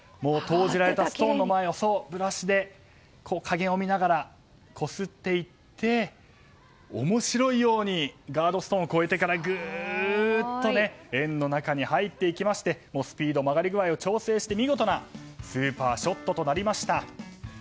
投じられたストーンの前をブラシで加減を見ながらこすっていって面白いようにガードストーンを越えてからグーッと円の中に入っていきましてスピード、曲がり具合を調整して見事なスーパーショットとなりました。